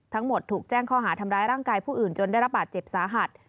ถูกแจ้งข้อหาทำร้ายร่างกายผู้อื่นจนได้รับบาดเจ็บสาหัส